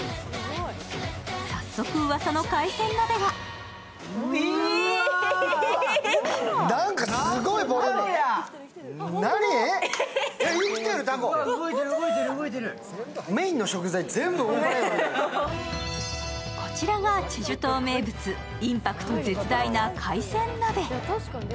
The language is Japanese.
早速、うわさの海鮮鍋がこちらがチェジュ島名物、インパクト絶大な海鮮鍋。